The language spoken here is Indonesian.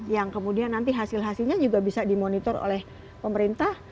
yang kemudian nanti hasil hasilnya juga bisa dimonitor oleh pemerintah